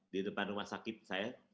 di depan rumah sakit saya